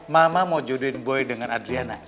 mama mau jodohin boy dengan adriana